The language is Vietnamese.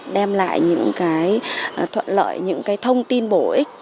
đem lại những cái thuận lợi những cái thông tin bổ ích